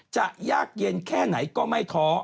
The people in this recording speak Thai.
ยากเย็นแค่ไหนก็ไม่ท้อ